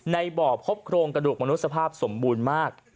ในบ่อพบโครงกระดูกมนุษย์สภาพสมบูรณ์มาก